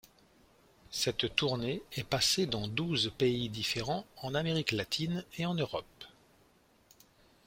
Cette tournée est passée dans douze pays différents en Amérique latine et en Europe.